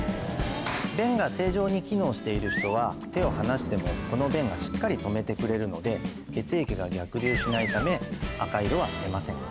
弁が正常に機能している人は手を離してもこの弁がしっかり止めてくれるので血液が逆流しないため赤色は出ません。